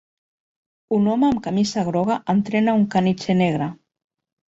un home amb camisa groga entrena un caniche negre